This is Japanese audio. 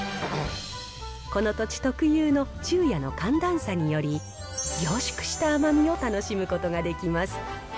この土地特有の昼夜の寒暖差により、凝縮した甘みを楽しむことができます。